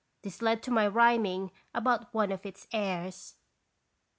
This led to my rhyming about one of its airs.